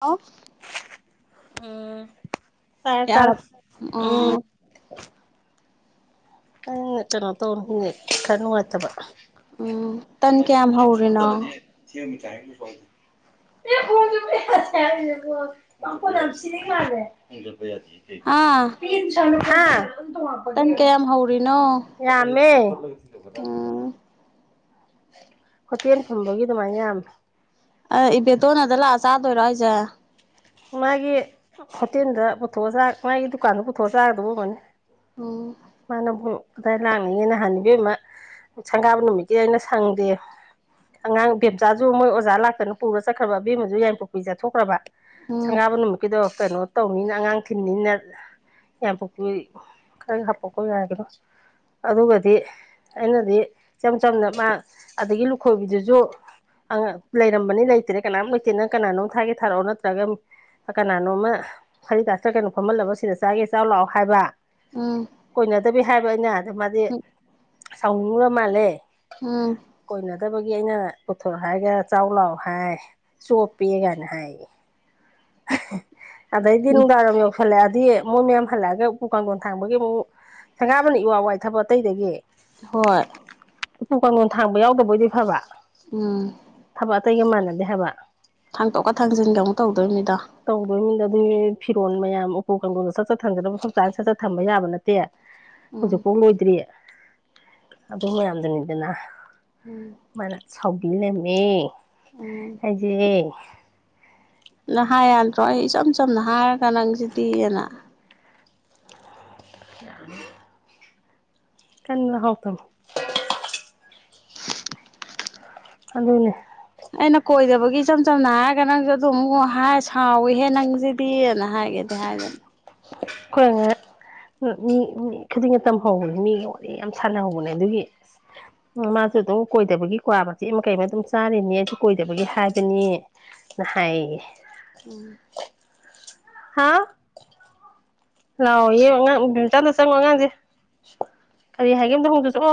of ꯎꯝ ꯇꯥꯔꯦ ꯇꯥꯔꯦ ꯎꯝ ꯑꯣ [unintelligible] ꯀꯩꯅꯣ ꯇꯧꯔ ꯍꯨ [inaudible] ꯅꯨꯡꯉꯥꯏꯇꯕ ꯎꯝ ꯇꯟ ꯀꯌꯥꯝ ꯍꯧꯔꯤꯅꯣ [inaudible] [inaudible] ꯄꯥꯈꯣꯟ ꯌꯥꯝ ꯁꯤꯅꯤꯡ ꯃꯥꯜꯂꯦ ꯑꯥ [inaudible] ꯇꯟ ꯀꯌꯥꯝ ꯍꯧꯔꯤꯅꯣ ꯌꯥꯝꯃꯦ ꯎꯝ ꯍꯣꯇꯦꯜ ꯐꯝꯕꯒꯤ ꯑꯗꯨꯃꯥꯏꯅ ꯌꯥꯝꯃꯦ ꯑ ꯏꯕꯦꯇꯣꯟ ꯑꯗ ꯂꯥꯛꯑ ꯆꯥꯗꯣꯏꯔꯣ ꯍꯥꯏꯁꯦ ꯃꯥꯒꯤ ꯍꯣꯇꯦꯜꯗ ꯄꯨꯊꯣꯛꯑ ꯆꯥ ꯃꯥꯒꯤ ꯗꯨꯀꯥꯟꯗ ꯄꯨꯊꯣꯛꯑ ꯆꯥꯒꯗꯕ ꯑꯣꯏꯔꯝꯒꯅꯤ ꯑꯣ ꯃꯥꯅꯕꯨ ꯑꯗꯥꯏ ꯂꯥꯛꯅꯤꯡꯉꯦ ꯅꯍꯥꯟ ꯏꯕꯦꯝꯃ ꯁꯪꯒꯥꯕ ꯅꯨꯃꯤꯠꯀꯤ ꯑꯩꯅ ꯁꯪꯗꯦ ꯑꯉꯥꯡ ꯕꯦꯝꯆꯥꯁꯨ ꯃꯣꯏ ꯑꯣꯖꯥ ꯂꯥꯛꯇꯅ ꯄꯨꯔ ꯆꯠꯈ꯭ꯔꯕ ꯑꯕꯦꯝꯃꯁꯨꯨ ꯌꯥꯏꯔꯤꯄꯣꯛꯄꯤ ꯆꯠꯊꯣꯛꯈ꯭ꯔꯕ ꯎꯝ ꯁꯪꯒꯥꯕ ꯅꯨꯃꯤꯠꯀꯤꯗꯣ ꯀꯩꯅꯣ ꯇꯧꯅꯤꯅ ꯑꯉꯥꯡ ꯊꯤꯟꯅꯤꯅ ꯌꯥꯏꯄꯣꯛꯄꯤ ꯈꯔ ꯍꯥꯄꯛꯈꯣ ꯌꯥꯏꯒꯤꯔꯣꯏ ꯑꯗꯨꯒꯗꯤ ꯑꯩꯅꯗꯤ ꯏꯆꯝ ꯆꯝꯅ ꯃꯥ ꯑꯗꯒꯤ ꯂꯨꯈꯣꯏꯕꯤꯗꯨꯁꯨ ꯂꯩꯔꯝꯕꯅꯤ ꯂꯩꯇ꯭ꯔꯦ ꯀꯅꯥꯝ ꯂꯩꯇ꯭ꯔꯦ ꯅꯪ ꯀꯅꯥꯅꯣꯝ ꯊꯥꯒꯦ ꯊꯥꯔꯛꯑꯣ ꯅꯠꯇ꯭ꯔꯒ ꯀꯅꯥꯅꯣꯝꯃ ꯍꯔꯤꯗꯥꯁꯔ ꯀꯩꯅꯣ ꯈꯣꯝꯍꯜꯂꯕ ꯁꯤꯗ ꯆꯥꯒꯦ ꯆꯥꯎ ꯂꯥꯛꯑꯣ ꯍꯥꯏꯕ ꯎꯝ ꯀꯣꯏꯅꯗꯕꯤ ꯍꯥꯏꯕ ꯑꯩꯅ ꯑꯗꯨ ꯃꯥꯗꯤ ꯎꯝ ꯁꯥꯎꯅꯤꯡꯉꯨꯔ ꯃꯥꯜꯂꯦ ꯎꯝ ꯀꯣꯏꯅꯗꯕꯒꯤ ꯑꯩꯅ ꯄꯨꯊꯣ ꯍꯥꯏꯒ ꯆꯥꯎ ꯂꯥꯎ ꯍꯥꯏ ꯆꯣꯞꯄꯦ ꯀꯥꯏꯅ ꯍꯥꯏꯌꯦ ꯑꯗꯩꯗꯤ ꯅꯨꯡꯗꯥꯡꯋꯥꯏꯔꯝ ꯌꯧꯁꯜꯂꯛꯑꯗꯤ ꯃꯣꯏ ꯃꯌꯥꯝ ꯍꯜꯂꯛꯑꯒ ꯎꯄꯨ ꯀꯥꯡꯊꯣꯟ ꯊꯥꯡꯕꯒꯤ ꯑꯃꯨꯛ ꯁꯪꯒꯥꯕꯅ ꯏꯋꯥ ꯋꯥꯏ ꯊꯕꯛ ꯑꯇꯩꯗꯒꯤ ꯍꯣꯏ ꯎꯄꯨ ꯀꯥꯡꯂꯣꯟ ꯊꯥꯡꯕ ꯌꯥꯎꯗꯕ ꯑꯣꯏꯗꯤ ꯐꯕ ꯎꯝ ꯊꯕꯛ ꯑꯇꯩꯒ ꯃꯥꯟꯅꯗꯦ ꯍꯥꯏꯕ ꯊꯥꯡꯇꯣꯛꯀ ꯊꯥꯡꯖꯤꯟꯒ ꯑꯃꯨꯛ ꯇꯧꯗꯣꯏꯅꯤꯗ ꯇꯧꯗꯣꯏꯅꯤꯗ ꯑꯗꯨꯒꯤ ꯐꯤꯔꯣꯟ ꯃꯌꯥꯝ ꯎꯄꯨ ꯀꯥꯡꯗꯣꯟ ꯁꯠ ꯁꯠ ꯊꯥꯡꯖꯤꯟꯂ ꯃꯐꯝ ꯆꯥꯅ ꯁꯠ ꯁꯠ ꯊꯝꯕ ꯌꯥꯕ ꯅꯠ ꯇꯦ ꯎꯝ ꯍꯧꯖꯤꯛꯐꯥꯎ ꯂꯣꯏꯗ꯭ꯔꯤ ꯑꯗꯨ ꯃꯌꯥꯝꯗꯨꯅꯤꯗꯅ ꯎꯝ ꯃꯥꯅ ꯁꯥꯎꯕꯤ ꯂꯩꯔꯝꯃꯦ ꯎꯝ ꯑꯩꯁꯦ ꯅ ꯍꯥꯏ ꯌꯥꯗ꯭ꯔꯣ ꯑꯩ ꯏꯆꯝ ꯆꯝꯅ ꯍꯥꯏꯔꯒ ꯅꯪꯁꯤꯗꯤꯅ [unintelligible] ꯇꯟꯗꯣ ꯍꯥꯎꯇ [inaudible] ꯑꯗꯨꯅꯦ ꯑꯩꯅ ꯀꯣꯏꯗꯕꯒꯤ ꯏꯆꯝ ꯆꯝꯅ ꯍꯥꯏꯔꯒ ꯅꯪꯁꯨ ꯑꯗꯨ ꯑꯃꯨꯛ ꯍꯥꯏ ꯁꯥꯎꯋꯤꯍꯦ ꯅꯪꯁꯤꯗꯤꯅ ꯍꯥꯏꯒꯦ ꯗꯦ ꯍꯥꯏ [inaudible] ꯈꯣꯏ ꯑꯉꯥꯡ ꯃꯤ ꯃꯤ ꯈꯨꯗꯤꯡꯒꯤ ꯇꯝꯍꯧꯕꯅꯤ ꯃꯤꯒꯤ ꯋꯥꯔꯤ ꯌꯥꯝ ꯁꯥꯟꯅꯍꯧꯕꯅꯦ ꯑꯗꯨꯒꯤ ꯃꯥꯁꯨ ꯑꯗꯨꯝ ꯀꯣꯏꯗꯕꯒꯤ ꯀ꯭ꯋꯥ ꯃꯆꯦꯠ ꯑꯃ ꯀꯩ ꯑꯃ ꯑꯗꯨꯝ ꯆꯥꯔꯤꯅꯦ ꯑꯩꯁꯨ ꯀꯣꯏꯗꯕꯒꯤ ꯍꯥꯏꯕꯅꯤ ꯅ ꯍꯥꯏꯑꯌꯦ ꯎꯝ ꯍꯥ ꯂꯥꯛꯑꯣꯌꯦ ꯑꯉꯥꯡ [unintelligible] ꯆꯪꯉꯣ ꯑꯉꯥꯡꯖꯦ ꯀꯔꯤ ꯍꯥꯏꯒꯦ ꯑꯃꯨꯛꯇꯥ ꯍꯪꯉꯨꯆꯣ ꯆꯠꯂꯣ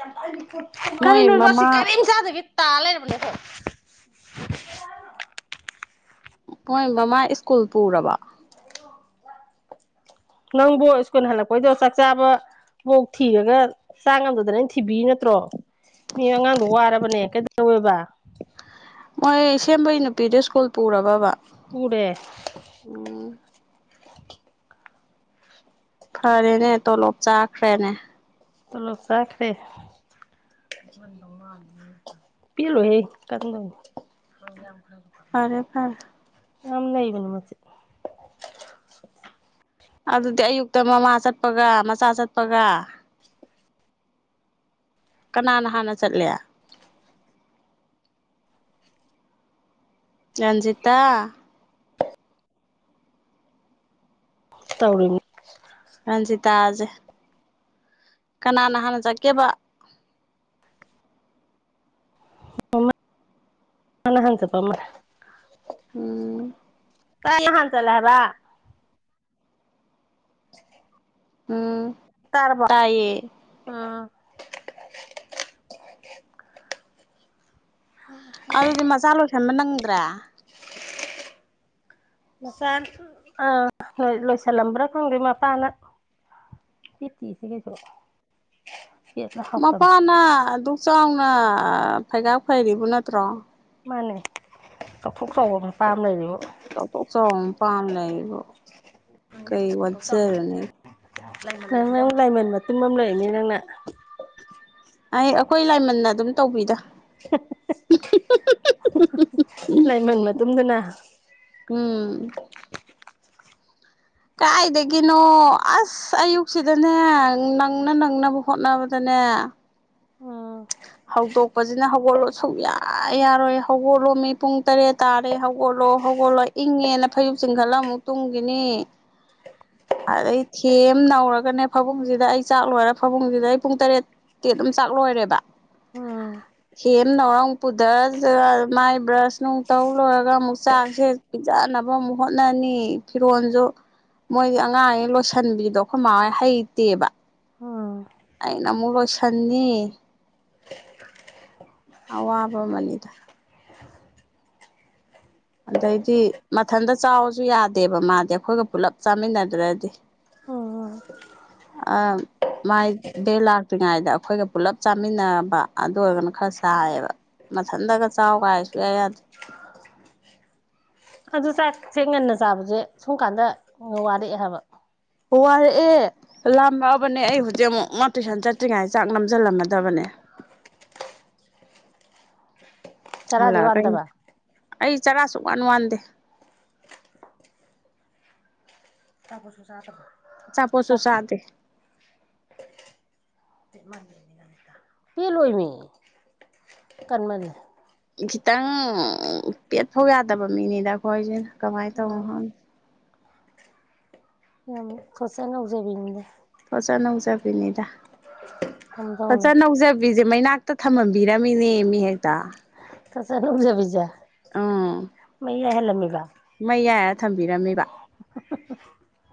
ꯌꯥꯝ ꯇꯜꯂꯤꯍꯦ ꯃꯣꯏ ꯀꯔꯤꯅꯣꯕ ꯑꯁꯤ ꯃꯃꯥ ꯀꯔꯤꯝ ꯆꯥꯥꯗꯕꯤ ꯇꯥ ꯂꯩꯔꯕꯅꯦ ꯑꯁꯦ ꯃꯣꯏ ꯃꯃꯥꯏ ꯁ꯭ꯀꯨꯜ ꯄꯨꯔꯕꯣ ꯅꯪꯕꯨ ꯏꯁ꯭ꯀꯨꯜ ꯍꯜꯂꯛꯄꯩꯗꯣ ꯆꯥꯛ ꯆꯥꯕ ꯃꯣꯛ ꯊꯤꯔꯒ ꯆꯥ ꯉꯝꯗꯗꯅ ꯑꯩꯅ ꯊꯤꯕꯤꯔꯤ ꯅꯠꯇ꯭ꯔꯣ ꯃꯤ ꯑꯉꯥꯡꯗꯣ ꯋꯥꯔꯕꯅꯦ ꯀꯩꯗꯧꯋꯦꯕ ꯃꯣꯏ ꯁꯦꯝꯕꯩ ꯅꯨꯄꯤꯗꯨ ꯏꯁ꯭ꯀꯨꯜ ꯄꯨꯔꯕꯥꯕ ꯄꯨꯔꯦ ꯐꯔꯦꯅꯦ ꯇꯣꯂꯣꯞ ꯆꯥꯈ꯭ꯔꯦꯅꯦ ꯇꯣꯂꯣꯞ ꯆꯥꯈ꯭ꯔꯦ [unintelligible] ꯄꯦꯜꯂꯣꯏꯍꯦ [unintelligible] ꯐꯔꯦ ꯐꯔꯦ ꯌꯥꯝ ꯅꯩꯕꯅꯤ ꯃꯆꯤꯠ ꯑꯗꯨꯗꯤ ꯑꯌꯨꯛꯇ ꯃꯃꯥ ꯆꯠꯄꯒꯥ ꯃꯆꯥ ꯆꯠꯄꯒꯥ ꯀꯅꯥꯅ ꯍꯥꯟꯅ ꯆꯠꯂꯤ ꯔꯟꯖꯤꯇꯥ ꯇꯧꯔꯤꯅꯤ ꯔꯟꯖꯤꯇꯥꯖꯦ ꯀꯅꯥꯅ ꯍꯥꯟꯅ ꯆꯠꯀꯦꯕ [unintelligible] ꯃꯥꯅ ꯍꯥꯟ ꯆꯠꯄ ꯃꯜ ꯎꯝ [unintelligible] ꯍꯥꯟꯅ ꯆꯠꯂꯦ ꯍꯥꯏꯕ [inaudible] ꯎꯝ ꯇꯥꯔꯕꯣ ꯇꯥꯏꯌꯦ ꯎꯝ ꯑꯗꯨꯗꯤ ꯃꯆꯥ ꯂꯣꯏꯁꯟꯕ ꯅꯪꯗ꯭ꯔꯦ ꯃꯆꯥ ꯑꯥ ꯍꯣꯏ ꯂꯣꯏꯁꯤꯜꯂꯝꯕ꯭ꯔꯥ ꯈꯪꯗꯦ ꯃꯄꯥꯅꯥ [unintelligible] ꯇꯤꯁꯤꯒꯁꯨ ꯃꯄꯥꯅ ꯑꯗꯨꯛ ꯆꯥꯎꯅ ꯐꯩꯒꯥꯛ ꯐꯩꯔꯤꯕꯨ ꯅꯠꯇ꯭ꯔꯣ ꯃꯥꯅꯦ ꯆꯥꯎꯊꯣꯛ ꯆꯥꯎꯕ ꯃꯄꯥ ꯑꯝ ꯂꯩꯔꯤꯕꯨ ꯆꯠꯊꯣꯛ ꯆꯥꯎ ꯃꯄꯥ ꯑꯝ ꯂꯩꯔꯤꯕꯨ ꯀꯩ ꯋꯥꯖꯥꯔꯨꯅꯦꯒꯦ ꯅꯪ ꯅꯪ ꯂꯥꯏꯃꯟ ꯃꯇꯨꯝ ꯑꯝ ꯂꯩꯅꯤ ꯅꯪꯅ ꯑꯩ ꯑꯩꯈꯣꯏ ꯂꯥꯏꯃꯟꯅ ꯑꯗꯨꯝ ꯇꯧꯕꯤꯗ ꯂꯥꯏꯃꯟ ꯃꯇꯨꯝꯗꯨꯅ ꯎꯝ ꯀꯥꯏꯗꯗꯒꯤꯅꯣ ꯑꯁ ꯑꯁ ꯑꯌꯨꯛꯁꯤꯗꯅꯦ ꯅꯪꯅ ꯅꯪꯅꯕ ꯍꯣꯠꯅꯕꯗꯅꯦ ꯎꯝ ꯍꯧꯗꯣꯛꯄꯖꯤꯅ ꯍꯧꯒꯠꯂꯣ ꯁꯨꯛ ꯌꯥ ꯌꯥ ꯌꯥꯔꯣꯏ ꯍꯧꯒꯠꯂꯣ ꯃꯤ ꯄꯨꯡ ꯇꯔꯦꯠ ꯇꯥꯔꯦ ꯍꯧꯒꯠꯂꯣ ꯍꯧꯒꯠꯂꯣ ꯏꯪꯉꯦꯅ ꯐꯩꯖꯨꯞ ꯆꯤꯡꯈꯠꯂ ꯑꯃꯨꯛ ꯇꯨꯡꯒꯤꯅꯤ ꯑꯗꯩ ꯊꯦꯝ ꯅꯧꯔꯒꯅꯦ ꯐꯥꯕꯨꯡꯁꯤꯗ ꯑꯩ ꯆꯥꯛ ꯂꯣꯏꯔꯦ ꯐꯥꯃꯨꯡꯁꯤꯗ ꯑꯩ ꯄꯨꯡ ꯇꯔꯦꯠ ꯇꯤ ꯑꯗꯨꯝ ꯆꯥꯛ ꯂꯣꯏꯔꯦꯕ ꯎꯝ ꯊꯦꯝ ꯅꯧꯔꯥ ꯑꯃꯨꯛ ꯄꯨꯊꯔ ꯆ ꯃꯥꯏ ꯕ꯭ꯔꯁ ꯅꯨꯡ ꯇꯧ ꯂꯣꯏꯔꯒ ꯑꯃꯨꯛ ꯆꯥꯛꯁꯦ ꯄꯤꯖꯥꯟꯅꯕ ꯑꯃꯨꯛ ꯍꯣꯠꯅꯅꯤ ꯐꯤꯔꯣꯜꯁꯨ ꯃꯣꯏꯒꯤ ꯑꯉꯥꯡꯉ ꯂꯣꯏꯁꯤꯟꯕꯤꯗꯣ ꯑꯩꯈꯣꯏ ꯃꯥꯣꯏ ꯍꯩꯇꯦꯕ ꯎꯝ ꯑꯩꯅ ꯑꯃꯨꯛ ꯂꯣꯏꯁꯟꯅꯤ ꯑꯋꯥꯕ ꯑꯃꯅꯤꯗ ꯑꯗꯩꯗꯤ ꯃꯊꯟꯇ ꯆꯥꯎꯁꯨ ꯌꯥꯗꯦꯕ ꯃꯥꯗꯤ ꯑꯩꯈꯣꯏꯒ ꯄꯨꯂꯞ ꯆꯥꯃꯤꯟꯅꯗ꯭ꯔꯗꯤ [inaudible] ꯑꯣ ꯑꯥ ꯃꯥꯏ ꯗꯦꯛ ꯂꯥꯛꯇ꯭ꯔꯤꯉꯩꯗ ꯑꯩꯈꯣꯏꯒ ꯄꯨꯜꯂꯞ ꯆꯥꯃꯤꯟꯅꯔꯕ ꯑꯗꯨ ꯑꯣꯏꯔꯒꯅ ꯈꯔ ꯁꯥꯏꯌꯦꯕ ꯃꯊꯟꯗꯒ ꯆꯥꯎ ꯀꯥꯏ ꯁꯨ ꯌꯥꯏ ꯌꯥꯗ꯭ꯔꯦ ꯑꯗꯨ ꯆꯥꯛꯁꯦ ꯉꯟꯅ ꯆꯥꯕꯁꯦ ꯁꯨꯝ ꯀꯥꯟꯗ ꯋꯥꯔꯛꯑꯦ ꯍꯥꯏꯕ ꯋꯥꯔꯛꯑꯦ ꯂꯥꯃꯑꯕꯅꯦ ꯑꯩ ꯍꯧꯖꯤꯛ ꯑꯃꯨꯛ ꯃꯥ ꯇꯨꯏꯁꯟ ꯆꯠꯇ꯭ꯔꯤꯉꯩ ꯆꯥꯛ ꯅꯝꯁꯤꯜꯂꯝꯃꯗꯕꯅꯦ ꯆꯔꯥꯗꯤ ꯍꯜꯂꯛꯑ ꯋꯥꯟꯗꯕ ꯑꯩ ꯆꯔꯥ ꯁꯨ ꯋꯥꯟ ꯋꯥꯟꯗꯦ ꯑꯆꯥꯄꯣꯠ ꯁꯨ ꯆꯗꯕ ꯑꯆꯥꯄꯣꯠꯁꯨ ꯑꯆ [inaudible] [inaudible] ꯄꯦꯠꯂꯣꯏꯃꯤ ꯀꯟꯃꯂꯦ ꯈꯤꯇꯪ ꯄꯦꯠꯐꯧ ꯌꯥꯗꯕ ꯃꯤꯅꯤꯗ ꯑꯩꯈꯣꯏꯁꯦ ꯀꯃꯥꯏꯅ ꯇꯧꯅꯣ ꯎꯝ ꯈꯪꯗꯦ ꯌꯥꯝ ꯁꯣꯠꯆ ꯅꯧꯖꯕꯤꯅꯤꯗ ꯊꯣꯠꯆꯥ ꯅꯧꯖꯕꯤꯅꯤꯗ ꯀꯝꯗꯧꯅꯤ ꯊꯣꯠꯆ ꯅꯧꯖ ꯕꯤꯖꯦ ꯃꯩꯅꯥꯛꯇ ꯊꯝꯃꯝꯕꯤꯔꯝꯃꯤꯅꯦꯃꯤ ꯍꯦꯛꯇ ꯊꯣꯠꯆꯥ ꯅꯧꯖꯕꯤꯖ ꯎꯝ ꯃꯑꯩ ꯌꯥꯏꯍꯟ ꯂꯝꯃꯤꯕꯥ ꯃꯩ ꯌꯥꯏꯔ ꯊꯝꯕꯤꯔꯝꯃꯦꯕ [inaudible]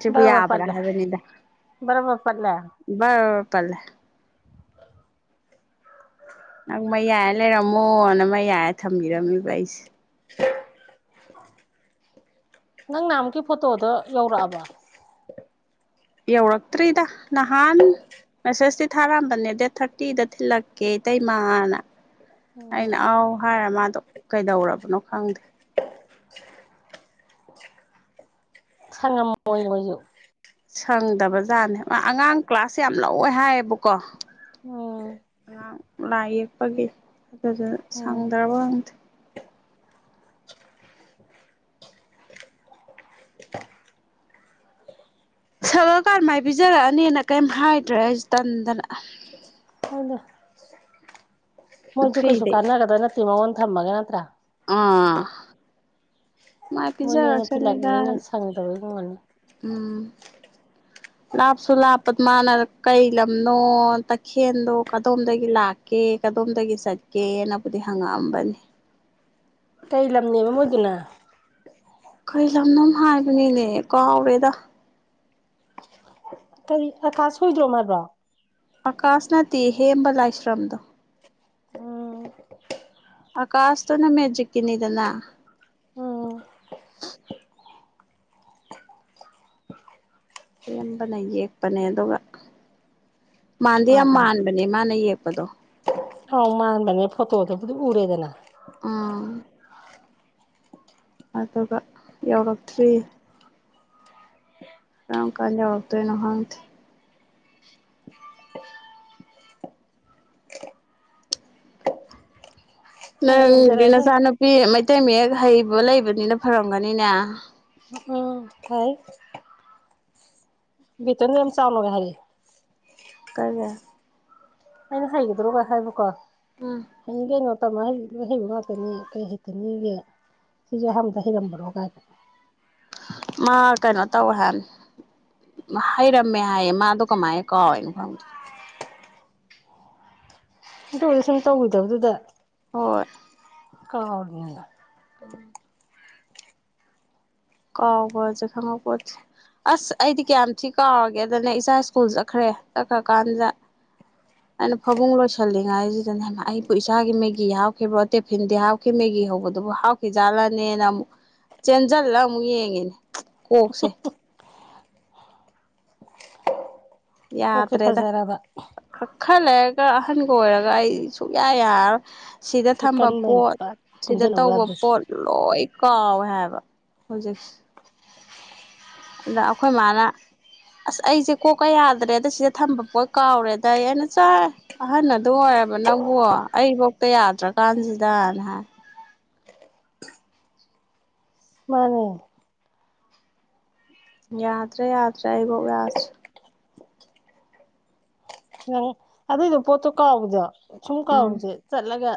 ꯁꯦꯕꯨ ꯕꯔꯕꯔ ꯄꯠꯂꯦ ꯍꯥꯏꯕꯅꯤꯗ ꯕꯔꯕꯔ ꯄꯠꯂꯦ ꯄꯔꯔ ꯄꯥꯠꯂꯦ ꯅꯪ ꯃꯩ ꯌꯥꯏꯔ ꯂꯩꯔꯝꯃꯣꯅ ꯃꯑꯩ ꯌꯥꯏꯔꯦ ꯊꯝꯕꯤꯔꯝꯃꯤꯕ ꯑꯩꯁꯦ ꯅꯪ ꯅꯍꯥꯟ ꯑꯃꯣꯛꯀꯤ ꯐꯣꯇꯣꯗꯣ ꯌꯧꯔꯛꯑꯕ ꯌꯧꯔꯛꯇ꯭ꯔꯤꯗ ꯅꯍꯥꯟ ꯃꯦꯁꯦꯁꯇꯤ ꯊꯥꯔꯝꯕꯅꯦ ꯗꯦꯠ ꯊꯥꯔꯇꯤꯗ ꯊꯤꯜꯂꯛꯀꯦ ꯏꯇꯩꯃꯥꯅ ꯑꯩꯅ ꯎꯝ ꯑꯥꯎ ꯍꯥꯏꯔ ꯃꯥꯗꯣ ꯀꯩꯗꯧꯔꯕꯅꯣ ꯈꯪꯗꯦ ꯈꯡꯉꯝꯃꯣꯏ ꯃꯣꯏꯁꯨ ꯁꯪꯗꯕ ꯖꯥꯠꯅꯦ ꯑꯉꯥꯡ ꯀ꯭ꯂꯥꯁꯦ ꯌꯥꯝ ꯂꯧꯋꯦ ꯍꯥꯏꯌꯦꯕꯀꯣ ꯑꯣꯝ ꯑꯉꯥꯡ ꯂꯥꯏ ꯌꯦꯛꯄꯒꯤ ꯑꯗꯨꯗꯨꯅꯥ ꯎꯝ ꯁꯪꯗ꯭ꯔꯕ ꯈꯪꯗꯦ ꯁꯪꯉꯛ ꯀꯥꯟ ꯃꯥꯏ ꯄꯤꯖꯔꯛꯑꯅꯤꯅ ꯀꯔꯤꯝ ꯍꯥꯏꯗ꯭ꯔꯦ ꯑꯩꯁꯨ ꯇꯟꯗꯅ ꯍꯧꯗ ꯃꯣꯏꯁꯨ ꯀꯩꯁꯨ ꯐ꯭ꯔꯤꯗ ꯀꯥꯟꯅꯒꯗꯕꯥ ꯅꯠꯇꯦ ꯃꯉꯣꯟꯗ ꯊꯝꯃꯒ ꯅꯠꯇ꯭ꯔꯥ ꯑꯥ ꯃꯥꯏ ꯃꯣꯏꯅ ꯍꯦꯟꯅ ꯄꯤꯖꯔꯛꯁꯅꯤꯗ ꯊꯤꯜꯂꯛꯅꯤꯅꯦ ꯁꯪꯗꯕꯩ ꯑꯣꯏꯔꯝꯒꯅꯤ ꯎꯝ ꯂꯥꯞꯁꯨ ꯂꯥꯞꯄ ꯃꯥꯅ ꯀꯩ ꯂꯝꯅꯣ ꯇꯈꯦꯟꯗꯣ ꯀꯗꯣꯝꯗꯒꯤ ꯂꯥꯛ ꯀꯦ ꯀꯗꯣꯝꯗꯒꯤ ꯆꯠꯀꯦꯅꯕꯨꯗꯤ ꯍꯪꯉꯛꯑꯝꯕꯅꯤ ꯀꯇꯩ ꯂꯝꯅꯦꯕ ꯑꯣꯏꯗꯨꯅ ꯀꯩ ꯂꯝꯅꫭꯝ ꯍꯥꯏꯕꯅꯤꯅꯦ ꯀꯥꯎꯔꯦꯗ ꯀꯔꯤ ꯑꯀꯥꯁ ꯍꫭꯏꯗ꯭ꯔꯣ ꯍꯥꯏꯕ꯭ꯔꯣ ꯑꯀꯥꯁ ꯅꯠꯇꯦ ꯍꯦꯝꯕ ꯂꯥꯏꯁ꯭ꯔꯝꯗꯣ ꯎꯝ ꯑꯀꯥꯥꯁ ꯇꯨꯅ ꯃꯦꯖꯤꯛꯀꯤꯅꯤꯗꯅ ꯎꯝ ꯍꯦꯝꯕꯅ ꯌꯦꯛꯄꯅꯦ ꯑꯗꯨꯒ ꯃꯥꯟꯗꯤ ꯌꯥꯝ ꯃꯥꯟꯕꯅꯦ ꯃꯥꯅ ꯌꯦꯛꯄꯗꯣ ꯑꯥꯎ ꯃꯥꯟꯕꯅꯦ ꯐꯣꯇꯣꯗꯕꯨꯗꯤ ꯎꯔꯦꯗꯅ ꯎꯝ ꯑꯗꯨꯒ ꯌꯧꯔꯛꯇ꯭ꯔꯤ ꯀꯔꯝ ꯀꯥꯟ ꯌꯧꯔꯛꯇꯣꯏꯅꯣ ꯈꯪꯗꯦ ꯅꯪꯗꯤ ꯌꯧꯖꯔꯛꯑꯗꯝꯅꯤ ꯅꯆꯥꯅꯨꯄꯤ ꯃꯩꯇꯩ ꯃꯌꯦꯛ ꯍꯩꯕ ꯂꯩꯕꯅꯤꯅ ꯐꯔꯝꯒꯅꯤꯅꯦ ꯎꯝ ꯍꯩ ꯕꯤꯇꯟ ꯌꯥꯝ ꯆꯥꯎꯅꯒ ꯍꯩꯌꯦ ꯀꯩꯒꯤ ꯑꯩꯅ ꯍꯩꯒꯗ꯭ꯔꯣꯒ ꯍꯥꯏꯕꯀꯣ ꯎꯝ ꯍꯩꯅꯤ ꯀꯩꯅꯣ ꯇꯝꯃ ꯍꯩ ꯂꯣꯏ ꯍꯩꯕ ꯉꯥꯛꯇꯅꯤ ꯀꯩ ꯍꯩꯇꯅꯤꯒꯦ ꯑꯩꯖꯨ ꯑꯍꯥꯟꯕꯗ ꯍꯩꯔꯝꯕꯔꫭ ꯀꯥꯏꯅ ꯃꯥ ꯀꯩꯅꯣ ꯇꯧꯋꯦ ꯍꯥꯏ ꯍꯩꯔꯝꯃꯦ ꯍꯥꯏꯌꯦ ꯃꯥꯗꯣ ꯀꯃꯥꯏ ꯀꯥꯎꯔꯤꯅꯣ ꯈꯪꯗꯦ ꯑꯗꫭꯏꯖꯨ ꯁꯨꯝ ꯇꯧꯒꯤꯗꯕꯗꯨꯗ ꯍꯣꯏ ꯀꯥꯎꯔꯤꯅꯦ ꯎꯝ ꯀꯥꯎꯕꯖꯦ ꯈꯪꯍꯧꯄꫭꯠꯇꯦ ꯑꯁ ꯑꯩꯗꯤ ꯀꯌꯥꯝ ꯊꯤ ꯀꯥꯎꯔꯒꯦꯗꯅ ꯏꯆꯥ ꯁ꯭ꯀꯨꯜ ꯆꯠꯈ꯭ꯔꯦ ꯆꯠꯈ꯭ꯔ ꯀꯥꯟꯖꯤꯗ [unintelligible] ꯑꯩꯅ ꯐꯃꯨꯡ ꯂꯣꯏꯁꯤꯜꯂꯤꯉꯥꯏꯁꯤꯗꯅꯦ ꯑꯩꯕꯨ ꯏꯆꯥꯒꯤ ꯃꯦꯒꯤ ꯍꯥꯥꯞꯈꯤꯕ꯭ꯔꯣ ꯇꯤꯐꯤꯟꯗꯤ ꯍꯥꯥꯞꯈꯤ ꯃꯦꯒꯤ ꯍꯧꯕꯗꯨꯕꯨ ꯍꯥꯞ ꯖꯥꯠꯂꯅꯦꯅ ꯑꯃꯨꯛ ꯆꯦꯟꯖꯜꯂ ꯑꯃꯨꯛ ꯌꯦꯡꯉꯤꯅꯦ ꯀꯣꯛꯁꯦ ꯀꯣꯛꯁꯦ ꯌꯥꯗ꯭ꯔꯦꯗ ꯐꯖꯔꯕ ꯈꯔ ꯂꯩꯔꯒ ꯑꯍꯟꯒ ꯑꯣꯏꯔꯒ ꯑꯩ ꯁꯨꯛꯌꯥ ꯌꯥꯔꯔꫭꯏ ꯁꯤꯗ ꯁꯤ ꯊꯝꯕ ꯀꯟꯕꯩꯅꯦ ꯄꯣꯠ ꯄꯠ ꯁꯤꯗ ꯄꯨꯟꯖꯜꯍꯧ ꯇꯧꯕ ꯌꯥꯗ꯭ꯔꯤꯁꯦ ꯄꯣꯠ ꯂꯣꯏ ꯀꯥꯎꯋꯦ ꯍꯥꯏꯕ ꯍꯧꯖꯤꯛꯁꯦ ꯑꯗ ꯑꯩꯈꯣꯏ ꯃꯥꯅ ꯑꯁ ꯑꯩꯖꯦ ꯀꯣꯛꯀ ꯌꯥꯗ꯭ꯔꯦꯗ ꯁꯤꯗ ꯊꯝꯕ ꯄꯣꯠ ꯀꯥꯎꯔꯦꯗ ꯑꯩ ꯑꯩꯅ ꯆꯥꯏ ꯑꯍꯟ ꯑꯗꯨꯛ ꯑꯣꯏꯔꯕ ꯅꯪꯕꯨ ꯑꯩꯕꯨꯛꯇ ꯌꯥꯗ꯭ꯔꯀꯥꯟꯁꯤꯗꯅ ꯍꯥꯏ ꯃꯥꯅꯤ ꯌꯥꯗ꯭ꯔꯦ ꯌꯥꯗ꯭ꯔꯦ ꯑꯩ ꯕꯨꯛ ꯌꯥꯗꯔꯦ ꯅꯪ ꯑꯗꯨꯏꯗꯣ ꯄꯣꯠꯇꯣ ꯀꯥꯎꯕꯗꯣ ꯁꯨꯝ ꯎꯝ ꯀꯥꯎꯕꯁꯦ ꯆꯠꯂꯒ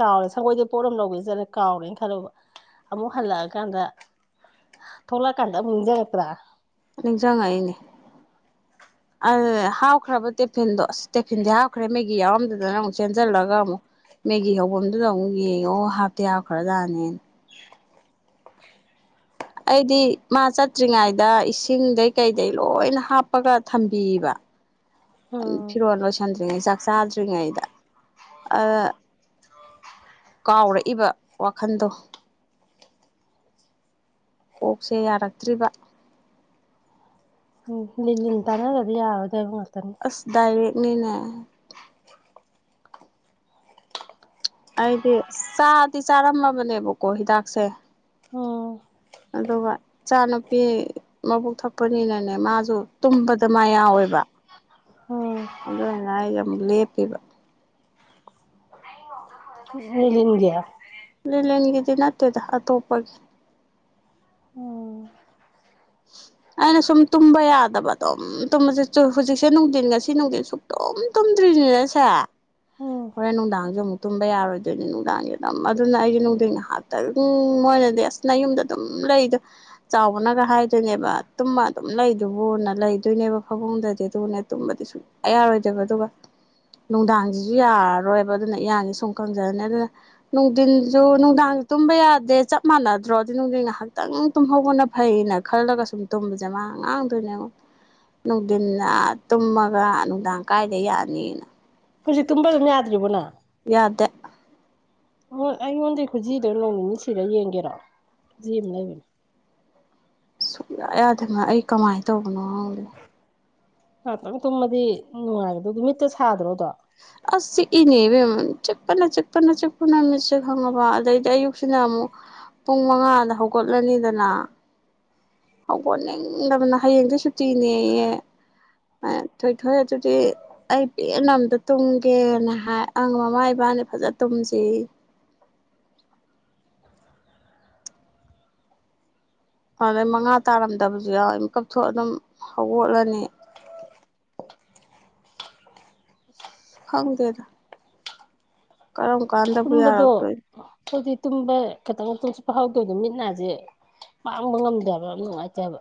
ꯀꯥꯎꯔꯦ ꯁꯪꯒꯣꯏꯗꯩ ꯄꯣꯠ ꯑꯝ ꯂꯧꯒꯦ ꯆꯠꯂ ꯀꯥꯎꯔꯦꯅ ꯈꯜꯂꫭꯕ ꯑꯃꯨꯛ ꯍꯜꯂꯛꯑꯀꯥꯟꯗ ꯊꯣꯛꯂꯛꯑꯀꯥꯟꯗ ꯑꯃꯨꯛ ꯅꯤꯡꯖꯪꯉꯛꯄꯔ ꯅꯤꯡꯖꯪ ꯉꯛꯏꯅꯦ ꯑꯗꯨꯅꯦ ꯍꯥꯥꯞꯈ꯭ꯔꯕ ꯇꯦꯐꯤꯟꯗꯣ ꯑꯁ ꯇꯦꯐꯤꯟꯗꯤ ꯍꯥꯞꯈ꯭ꯔꯦ ꯃꯦꯒꯤ ꯌꯥꯎꯔꯝꯗꯗꯅ ꯑꯃꯨꯛ ꯆꯦꯟꯖꯜꯂꯒ ꯑꯃꯨꯛ ꯃꯦꯒꯤ ꯍꯧꯕꯝꯗꯨꯗ ꯑꯃꯨꯛ ꯌꯦꯡꯉꯣ ꯍꯥꯞꯇꯤ ꯍꯥꯞꯈꯔ ꯖꯥꯠꯅꯦ ꯑꯩꯗꯤ ꯃꯥ ꯆꯠꯇ꯭ꯔꯤꯉꯩꯗ ꯏꯁꯤꯡꯗꯩ ꯀꯩꯗꯩ ꯂꯣꯏꯅ ꯍꯥꯞꯄꯒ ꯊꯝꯕꯤꯕ ꯎꯝ ꯐꯤꯔꯣꯟ ꯂꯣꯏꯁꯟꯗ꯭ꯔꯤꯉꯩ ꯆꯥꯛ ꯆꯥꯗ꯭ꯔꯤꯉꯩꯗ ꯑꯗ ꯀꯥꯎꯔꯛꯏꯕ ꯋꯥꯈꯟꯗꯣ ꯀꯣꯛꯁꯦ ꯌꯥꯔꯛꯇ꯭ꯔꯤꯕ ꯂꯦꯅꯤꯟ ꯇꯥꯟꯅꯗꯕ ꯌꯥꯔꯔꯣꯏꯗꯕ ꯉꯥꯛꯇꯅꯤ ꯑꯁ ꯗꯥꯏꯔꯦꯛꯅꯤꯅꯦ ꯑꯩꯗꯤ ꯆꯥꯗꯤ ꯆꯥꯔꯝꯃꯕꯅꯦꯕꯀꯣ ꯍꯤꯗꯥꯛꯁꯦ ꯎꯝ ꯑꯗꯨꯒ ꯏꯆꯥ ꯅꯨꯨꯄꯤ ꯃꯕꯨꯛ ꯊꯛꯄꯅꯤꯅꯅꯦ ꯃꯥꯖꯨ ꯇꯨꯝꯕꯗ ꯃꯥ ꯌꯥꯎꯋꯦꯕ ꯎꯝ ꯑꯗꯨꯅ ꯑꯩ ꯑꯝ ꯂꯦꯞꯄꯤꯕ ꯃꯤꯂꯤꯟꯒꯌꯥ [inaudible] ꯂꯦꯂꯤꯟꯒꯤꯗꯤ ꯅꯠꯇꯦꯗ ꯑꯇꯣꯞꯄꯒꯤ ꯎꯝ ꯑꯩꯅ ꯁꯨꯝ ꯇꯨꯝꯕ ꯌꯥꯗꯕ ꯑꯗꯨꯝ ꯇꯨꯝꯕꯁꯦ ꯍꯧꯖꯤꯛꯁꯦ ꯅꯨꯡꯗꯤꯟ ꯉꯁꯤ ꯅꯨꯡꯗꯤꯟ ꯁꯨꯛ ꯇꯨꯝ ꯇꯨꯝꯗ꯭ꯔꯤꯅꯤꯅꯁꯦ ꯎꯝ ꯍꯣꯔꯦꯟ ꯅꯨꯡꯗꯥꯡꯖꯨ ꯑꯃꯨꯛ ꯇꯨꯝꯕ ꯌꯥꯔꯣꯏꯗꯣꯏꯅꯦ ꯅꯨꯡꯗꯥꯡꯖꯦ ꯑꯗꯨꯝ ꯑꯗꯨꯅ ꯑꯩꯖꯦ ꯅꯨꯡꯗꯤꯟ ꯉꯍꯥꯛ ꯃꯣꯏꯅꯗꯤ ꯑꯁ ꯅꯌꯨꯝꯗ ꯑꯗꯨꯝ ꯂꯩꯗꯣ ꯆꯥꯎꯕꯅꯒ ꯍꯥꯏ ꯑꯗꯨꯅꯦꯕ ꯇꯨꯝꯃ ꯑꯗꯨꯝ ꯂꯩꯗꯨꯕꯨꯅ ꯂꯩꯗꯣꯏꯅꯦꯕ ꯐꯥꯕꯨꯡꯗꯗꯤ ꯑꯗꯨꯒꯅꯦ ꯇꯨꯝꯕꯗꯤ ꯁꯨ ꯌꯥꯔꯣꯏꯗꫭꯏꯕ ꯑꯗꯨꯒ ꯅꯨꯡꯗꯥꯡꯁꯤꯁꯨ ꯌꯥꯔꯔꯣꯏꯕ ꯑꯗꯨꯅ ꯏꯌꯥꯡꯖꯤ ꯁꯨꯝ ꯀꯪꯖꯂꯅꯤ ꯑꯗꯨꯅ ꯅꯨꯡꯗꯤꯟꯖꯨ ꯅꯨꯡꯗꯥꯡꯖꯨ ꯇꯨꯝꯕ ꯌꯥꯗꯦ ꯆꯞ ꯃꯥꯟꯅꯗ꯭ꯔꯣ ꯗꯨꯗꯤ ꯅꯨꯡꯗꯤꯟ ꯉꯍꯥꯛꯇꯪ ꯇꯨꯝꯍꯧꯕꯅ ꯐꯩꯅ ꯈꯜꯂꯒ ꯁꯨꯝ ꯇꯨꯝꯕꯖꯦ ꯃꯥ ꯉꯥꯡꯗꯣꯏꯅꯦ ꯑꯃꯨꯛ ꯅꯨꯡꯗꯤꯟꯅ ꯇꯨꯝꯃꯒ ꯅꯨꯡꯗꯥꯡ ꯀꯥꯏꯗ ꯌꯥꯅꯤꯅ ꯍꯧꯖꯤꯛ ꯇꯨꯝꯕ ꯗꯨꯝ ꯌꯥꯗ꯭ꯔꯤꯕꯣꯅ ꯌꯥꯗꯦ ꯍꯣꯏ ꯑꯩꯉꯣꯟꯗꯩ ꯈꯨꯖꯤꯗꯣ ꯅꯣꯡ ꯅꯤꯅꯤ ꯁꯤꯔ ꯌꯦꯡꯒꯦꯔꯣ ꯈꯨꯖꯤ‌ ꯑꯅꯤ ꯂꯩꯕꯅꯤ ꯌꯥ ꯌꯥꯗꯦꯃ ꯑꯩ ꯀꯃꯥꯏ ꯇꯧꯕꯅꯣ ꯈꯪꯗꯦ ꯉꯥꯛꯇꯪ ꯇꯨꯝꯃꯗꯤ ꯅꯨꯡꯉꯥꯏꯒꯗꯣ ꯃꯤꯠꯇ ꯁꯥꯗ꯭ꯔꯣꯗꯣ ꯑꯁ ꯆꯤꯛꯏꯅꯦ ꯏꯕꯦꯝꯃ ꯆꯤꯄꯅ ꯆꯤꯛꯄꯅ ꯆꯤꯛꯄꯅ ꯃꯤꯠꯁꯦ ꯈꯪꯉꯕ ꯑꯗꯩꯗꯤ ꯑꯌꯨꯛꯁꯤꯅ ꯑꯃꯨꯛ ꯄꯨꯡ ꯃꯉꯥꯗ ꯍꯧꯒꯠꯂꯅꯤꯗꯅ ꯍꯧꯒꯠꯅꯤꯡꯗꯕꯅ ꯍꯌꯦꯡꯗꯑꯩ ꯁꯨꯇꯤꯅꯦꯌꯦ ꯑꯥ ꯊꯣꯏꯊꯣꯏ ꯑꯗꯨꯗꯤ ꯑꯩ ꯄꯦꯟꯅ ꯑꯝꯇ ꯇꯨꯝꯒꯦꯅ ꯍꯥꯏ ꯑꯪ ꯃꯃꯥ ꯏꯕꯥꯅꯤ ꯐꯖ ꯇꯨꯝꯖꯤꯌꯦ ꯑꯗꯩ ꯃꯉꯥ ꯇꯥꯔꯝꯗꯕꯖꯤ ꯌꯥꯎꯋꯦ ꯃꯤꯀꯞꯊꯣꯛ ꯑꯗꯨꯝ ꯍꯧꯒꯠꯂꯅꯤ ꯈꯪꯗꯦꯗ ꯀꯔꯝ ꯀꯥꯟꯗꯕꯨ ꯌꯥꯔꯛꯇꯣꯏꯅꯣ ꯑꯩꯗꯤ ꯇꯨꯝꯕ ꯈꯤꯇꯪ ꯇꯨꯝꯁꯤꯠ ꯐꯥꯍꯧꯗꯗꯤ ꯃꯤꯠ ꯅꯥꯖꯦ ꯄꯥꯡꯕ ꯉꯝꯗꯦ ꯍꯥꯏꯕ ꯌꯥꯝ ꯅꯨꯡꯉꯥꯏꯇꯦ ꯍꯥꯏꯕ